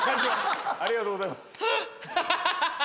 ありがとうございます。